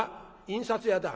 「印刷屋だ」。